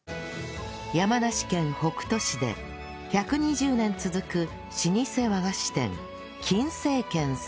山梨県北杜市で１２０年続く老舗和菓子店金精軒さん